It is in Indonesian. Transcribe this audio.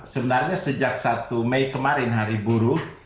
sebenarnya sejak satu mei kemarin hari buruh